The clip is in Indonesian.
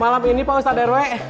malam ini pak ustadz rw